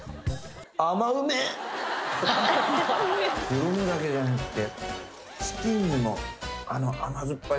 衣だけじゃなくて。